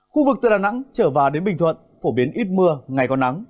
khu vực từ đà nẵng trở vào đến bình thuận phổ biến ít mưa ngày còn nắng